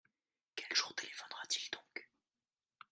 Quel jour téléphonera-t-il donc ?